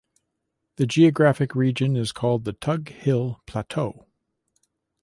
The geographic region is called the Tug Hill Plateau.